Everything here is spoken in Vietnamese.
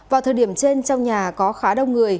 vào thời điểm trên trong nhà có khá đông người